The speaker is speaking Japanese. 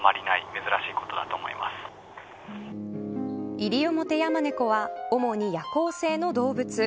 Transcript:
イリオモテヤマネコは主に夜行性の動物。